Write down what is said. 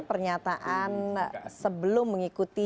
pernyataan sebelum mengikuti